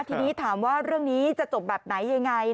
ทีนี้ถามว่าเรื่องนี้จะจบแบบไหนยังไง